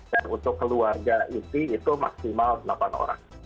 dan untuk keluarga itu maksimal delapan orang